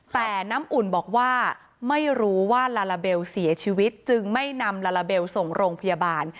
แต่น้ำอุ่นบอกว่าไม่รู้ว่าลาลาเบลเสียชีวิตจึงไม่นำลาลาเบลส่งโรงพยาบาล